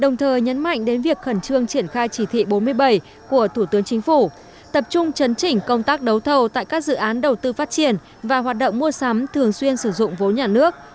đồng thời nhấn mạnh đến việc khẩn trương triển khai chỉ thị bốn mươi bảy của thủ tướng chính phủ tập trung chấn chỉnh công tác đấu thầu tại các dự án đầu tư phát triển và hoạt động mua sắm thường xuyên sử dụng vốn nhà nước